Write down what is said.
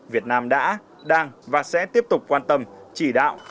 việt nam đã đang và sẽ tiếp tục quan tâm chỉ đạo